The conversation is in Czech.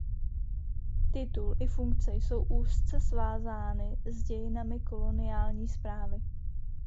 Titul i funkce jsou úzce svázány s dějinami koloniální správy.